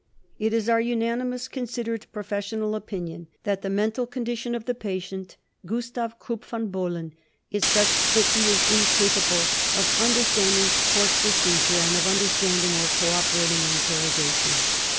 It is our unanimous, considered, professional opinion that the mental condition of the patient, Gustav Krupp von Bohlen, is such that he is incapable of understanding court procedure, and of understanding or cooperating in interrogation.